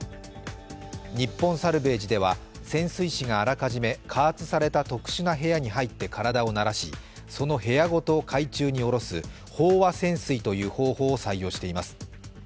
日本サルヴェージでは潜水士があらかじめ加圧された特殊な部屋に入って体を慣らし、その部屋ごと海中におろす飽和潜水という方法を採用します。